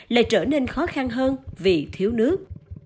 lại trở nên khó khăn hơn vì thiếu nước